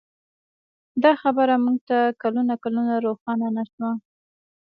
دا خبره موږ ته کلونه کلونه روښانه نه شوه.